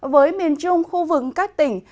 với miền trung khu vực các tỉnh